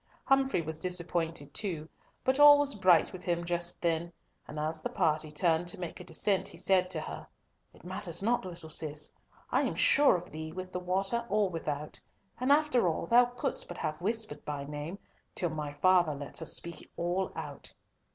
Humfrey was disappointed too; but all was bright with him just then, and as the party turned to make the descent, he said to her, "It matters not, little Cis! I'm sure of thee with the water or without, and after all, thou couldst but have whispered my name, till my father lets us speak all out!"